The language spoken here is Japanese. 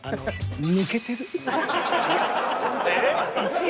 えっ１位？